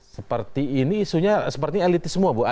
seperti ini isunya sepertinya elitis semua bu